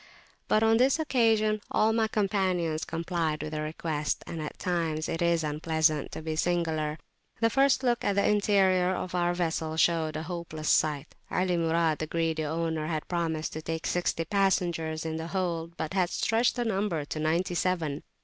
But on this occasion all my companions complied with the request, and at times it is unpleasant to be singular. The first look at the interior of our vessel showed a hopeless sight; Ali Murad, the greedy owner, had promised to take sixty passengers in the hold, but had stretched the number to ninety seven.